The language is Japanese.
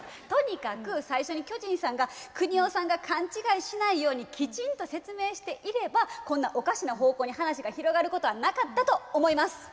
とにかく最初に巨人さんがくにおさんが勘違いしないようにきちんと説明していればこんなおかしな方向に話が広がることはなかったと思います。